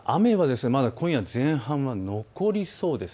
まだ今夜前半は雨が残りそうです。